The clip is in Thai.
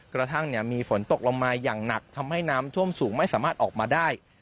กระทั่งมีฝนตกลงมาอย่างหนักทำให้น้ำท่วมสูงไม่สามารถออกมาได้